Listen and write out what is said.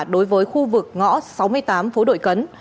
đối với khu vực ngõ sáu mươi tám phố đội cấn